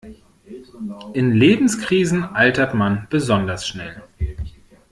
In Lebenskrisen altert man besonders schnell.